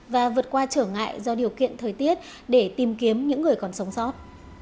và vượt qua trở ngại do điều kiện thời tiết để tìm kiếm những người còn sống sót